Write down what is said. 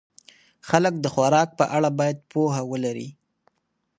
خلک د خوراک په اړه باید پوهه ولري.